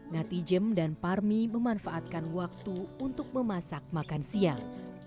nati jem dan parmi memanfaatkan waktu untuk memasak makan siang